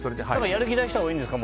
やる気出したほうがいいんですか？